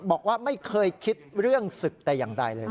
บอกว่าไม่เคยคิดเรื่องศึกแต่อย่างใดเลย